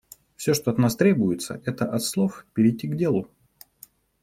Все, что от нас требуется — это от слов перейти к делу.